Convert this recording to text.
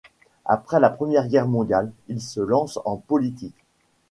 Après la Première Guerre mondiale, il se lance en politique.